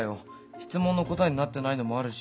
質問の答えになってないのもあるし